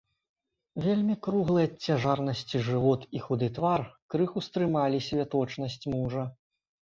Вельмі круглы ад цяжарнасці жывот і худы твар крыху стрымалі святочнасць мужа.